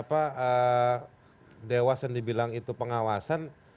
apa dewa sendiri bilang itu pengawasan